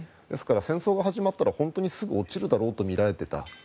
ですから、戦争が始まったら本当にすぐに落ちるだろうとみられていた。